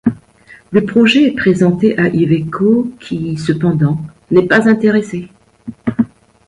Le projet est présenté à Iveco qui, cependant, n’est pas interessé.